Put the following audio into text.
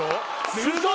⁉すごい！